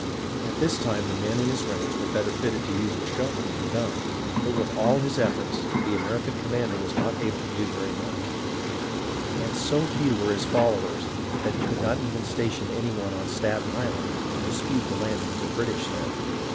At this time the men in his ranks were better fitted to use the shovel than the gun, but with all his efforts, the American commander was not able to do very much, and so few were his followers that he could not even station any one on Staten Island to dispute the landing of the British there.